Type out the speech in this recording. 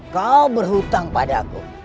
kau berhutang padaku